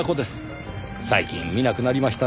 最近見なくなりましたねぇ。